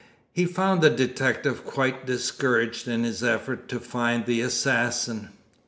He found the detective quite discouraged in his efforts to find the assassin.